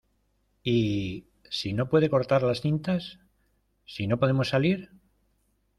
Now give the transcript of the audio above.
¿ y si no puede cortar las cintas, si no podemos salir?